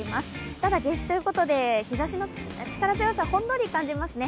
ただ夏至ということで、日ざしの力強さ、ほんのり感じますね。